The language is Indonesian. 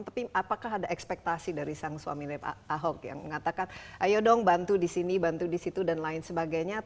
tapi apakah ada ekspektasi dari sang suami ahok yang mengatakan ayo dong bantu disini bantu disitu dan lain sebagainya